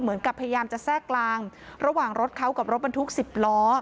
เหมือนกับพยายามจะแทรกกลางระหว่างรถเขากับรถบรรทุก๑๐ล้อ